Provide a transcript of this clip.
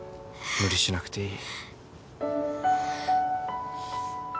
無理しなくていい。